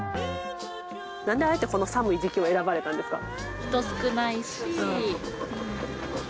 なんであえてこの寒い時期を選ばれたんですか？